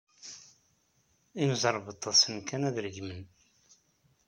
Imẓerbeḍḍa ssnen kan ad regmen.